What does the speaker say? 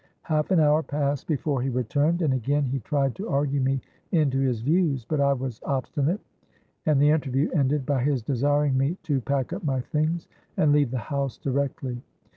Half an hour passed before he returned, and again he tried to argue me into his views; but I was obstinate, and the interview ended by his desiring me to pack up my things and leave the house directly.